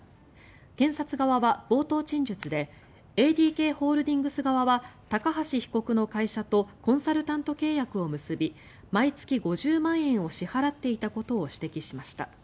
検察側は冒頭陳述でＡＤＫホールディングス側は高橋被告の会社とコンサルタント契約を結び毎月５０万円を支払っていたことを指摘しました。